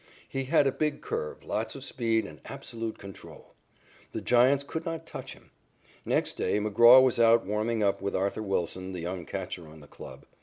He had a big curve, lots of speed, and absolute control. The Giants could not touch him. Next day McGraw was out warming up with Arthur Wilson, the young catcher on the club.